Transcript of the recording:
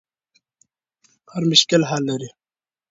هر مشکل حل لري.